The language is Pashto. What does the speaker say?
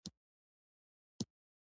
د فلم نوم و د ورک شوي صندوق موندونکي.